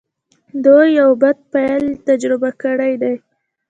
دوی يو بد پيل تجربه کړی دی.